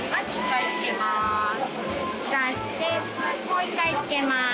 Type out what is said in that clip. もう一回漬けます。